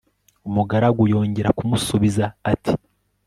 umugaragu yongera kumusubiza, ati